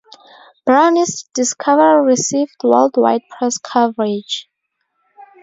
Browne's discovery received worldwide press coverage.